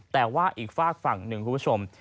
แต่ว่าอีกฝากฝั่งหนึ่งคุณผู้ชม